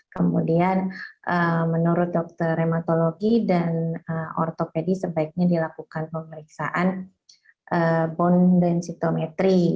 kemudian menurut dokter rheumatologi dan ortopedi sebaiknya dilakukan pemeriksaan bone densitometry